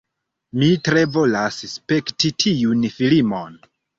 Mi tre volas spekti tiun filmon